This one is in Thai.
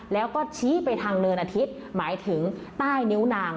แล้วก็ชี้ไปทางเนินอาทิตย์หมายถึงใต้นิ้วนาง